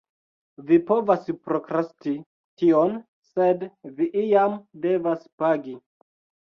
Vi povas prokrasti tion, sed vi iam devas pagi.